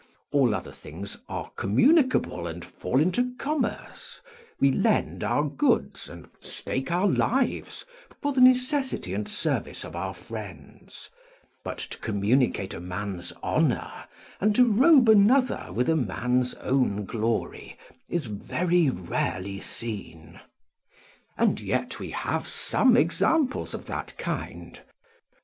All other things are communicable and fall into commerce: we lend our goods and stake our lives for the necessity and service of our friends; but to communicate a man's honour, and to robe another with a man's own glory, is very rarely seen. And yet we have some examples of that kind.